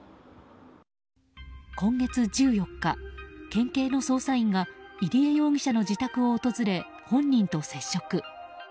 今月１４日、県警の捜査員が入江容疑者の自宅を訪れ本人と接触。